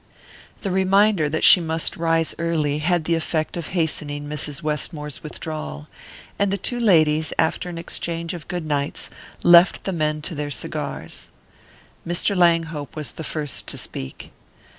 The reminder that she must rise early had the effect of hastening Mrs. Westmore's withdrawal, and the two ladies, after an exchange of goodnights, left the men to their cigars. Mr. Langhope was the first to speak.